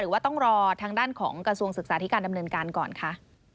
ว่าต้องรอทางด้านของกระทรวงศึกษาธิการดำเนินการก่อนคะ